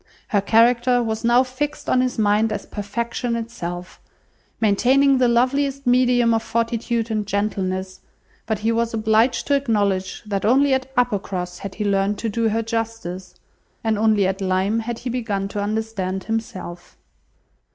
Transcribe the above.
Her character was now fixed on his mind as perfection itself, maintaining the loveliest medium of fortitude and gentleness; but he was obliged to acknowledge that only at Uppercross had he learnt to do her justice, and only at Lyme had he begun to understand himself.